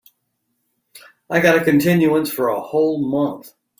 I got a continuance for a whole month.